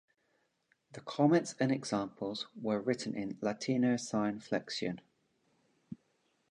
The comments and examples were written in "Latino sine flexione".